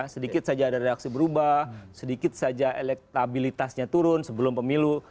sedikit saja ada reaksi berubah sedikit saja elektabilitasnya turun sebelum pemilu